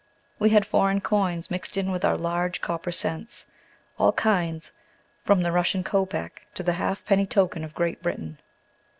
We had foreign coins mixed in with our large copper cents, all kinds, from the Russian "kopeck" to the "half penny token" of Great Britain.